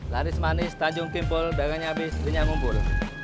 laris manis tanjung kimpul belakang nyapis minyak kumpul